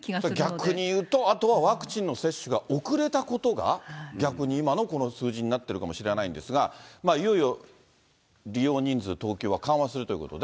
逆にいうと、あとはワクチンの接種が遅れたことが、逆に今のこの数字になってるかもしれないんですが、いよいよ利用人数、東京は緩和するということで。